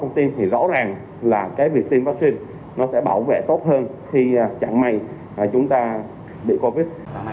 công ty thì rõ ràng là việc tiêm vaccine sẽ bảo vệ tốt hơn khi chẳng may chúng ta bị covid